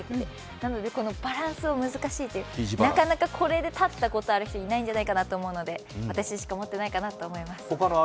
なのでバランスが難しい、なかなかこれで立ったことのある人いないんじゃないかと思うので私しか持ってないかなと思います。